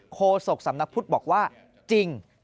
โศกสำนักพุทธบอกว่าจริง